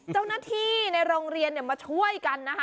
เจ้าหน้าที่ในโรงเรียนมาช่วยกันนะคะ